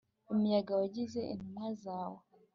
imiyaga wayigize intumwa zawe